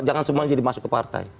jangan semuanya jadi masuk ke partai